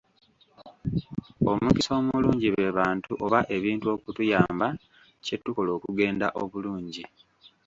Omukisa omulungi be bantu oba ebintu okutuyamba kye tukola okugenda obulungi.